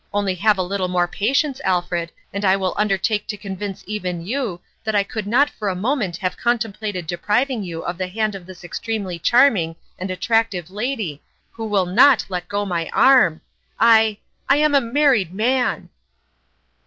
Only have a little more patience, Alfred, and I will undertake to con vince even you that I could not for a moment have contemplated depriving you of the hand of this extremely charming and attractive lady, who will not let go my arm. ... I I am a married man